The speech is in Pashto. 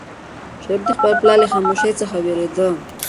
شریف د خپل پلار له خاموشۍ څخه وېرېده.